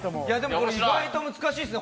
意外と難しいですね。